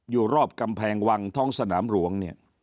อยู่รอบกำแพงวังท้องสนามหลวงเนี่ย